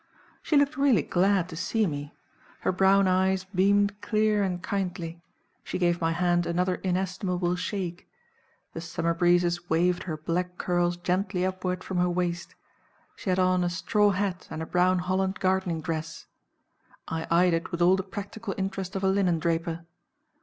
She looked really glad to see me her brown eyes beamed clear and kindly she gave my hand another inestimable shake the summer breezes waved her black curls gently upward from her waist she had on a straw hat and a brown Holland gardening dress. I eyed it with all the practical interest of a linendraper.